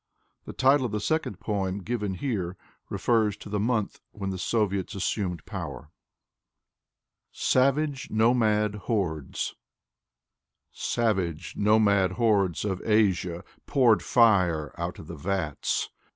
The title of the second poem given here refers to the month when the Soviets assumed power. 176 (( Anatoly Marienhof 177 SAVAGE, NOMAD HORDES" Savage, nomad hordes Of Asia Poured fire out of the vats!